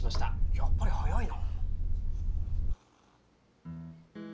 やっぱり早いな。